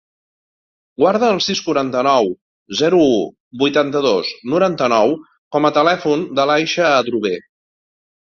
Guarda el sis, quaranta-nou, zero, u, vuitanta-dos, noranta-nou com a telèfon de l'Aicha Adrover.